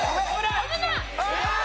「飛ぶな！」